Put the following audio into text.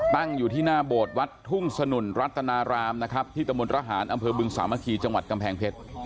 ตั้งอยู่ที่หน้าโบสถ์วัดทุ่งสนุนรัตนารามนะครับที่ตะมนตรหารอำเภอบึงสามัคคีจังหวัดกำแพงเพชร